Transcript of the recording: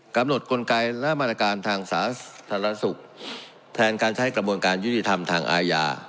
กำหนดกลไกและมาตรการทางสาธารณสุขแทนการใช้กระบวนการยุติธรรมทางอาญา